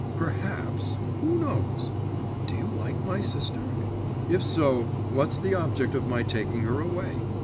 Perhaps … who knows? do you like my sister? If so, what's the object of my taking her away?